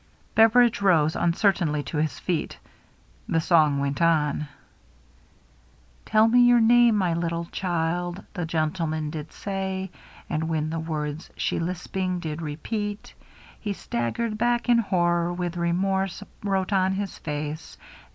'* Beveridge rose uncertainly to his feet. The song went on :— 364 THE MERRT ANNE Tell me your name, my lit tull child,' the gentlemun did say. And when the words she lisping did repeat. He staggered back in horror with remorse wrote on his fiice.